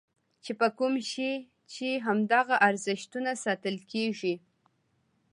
چې په کوم شي چې همدغه ارزښتونه ساتل کېږي.